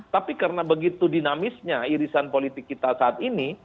tapi karena begitu dinamisnya irisan politik kita saat ini